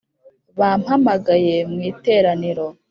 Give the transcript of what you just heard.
bampamagaye mu iteraniro